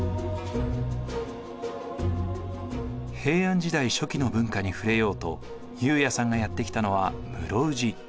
平安時代初期の文化に触れようと悠也さんがやって来たのは室生寺。